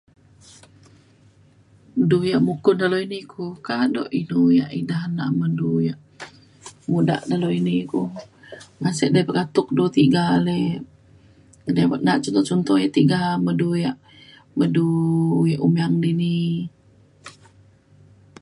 Du yak mukun dalau ini ku kado inu yak ida nak men du yak muda dalau ini ku ngan sek de pekatuk tiga ale ida nak contoh contoh yak tiga me du yak me du yak uman dini